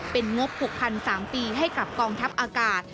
เป็นงบผูกพัน๓ปีให้กับกองทัพอากาศ